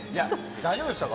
大丈夫でしたか？